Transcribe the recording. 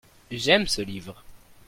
j'aime ce livre.